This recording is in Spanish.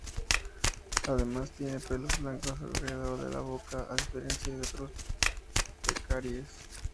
Además tiene pelos blancos alrededor de la boca, a diferencia de otros pecaríes.